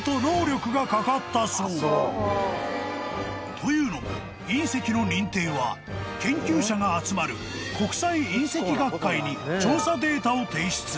［というのも隕石の認定は研究者が集まる国際隕石学会に調査データを提出］